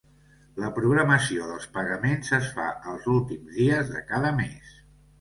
La programació dels pagaments es fa els últims dies de cada mes.